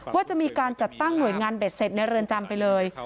ว่าจะมีการจัดตั้งหน่วยงานเด็ดเสร็จในเรือนจำไปเลย